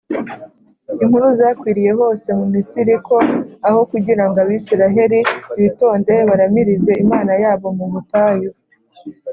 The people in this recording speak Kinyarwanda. inkuru zakwiriye hose mu misiri ko aho kugira ngo abisiraheli bitonde baramirize imana yabo mu butayu,